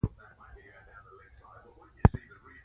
غول د کولمو میکروبونه ښکاره کوي.